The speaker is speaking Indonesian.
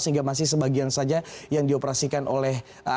sehingga masih sebagian saja yang dioperasikan oleh